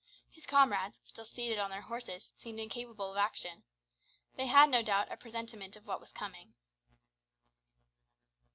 His comrades, still seated on their horses, seemed incapable of action. They had, no doubt, a presentiment of what was coming.